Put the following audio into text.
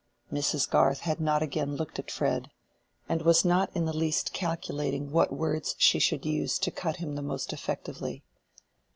Mrs. Garth had not again looked at Fred, and was not in the least calculating what words she should use to cut him the most effectively.